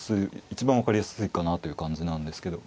一番分かりやすいかなという感じなんですけど。